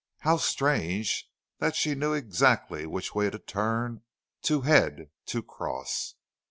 How strange that she knew exactly which way to turn, to head, to cross!